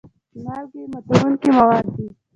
مالګې ماتیدونکي مواد دي.